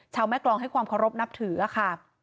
แม่กรองให้ความเคารพนับถือค่ะ